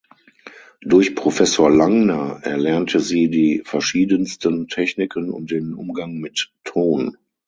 Durch Professor Langner erlernte sie die verschiedensten Techniken und den Umgang mit Ton.